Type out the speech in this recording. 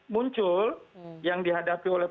muncul yang dihadapi oleh